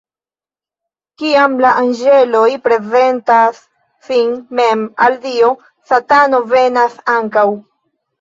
Kiam la anĝeloj prezentas sin mem al Dio, Satano venas ankaŭ.